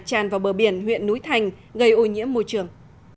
tràn vào bờ biển huyện núi thành gây ô nhiễm môi trường